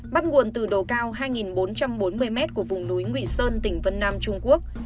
bắt nguồn từ độ cao hai bốn trăm bốn mươi mét của vùng núi nguyễn sơn tỉnh vân nam trung quốc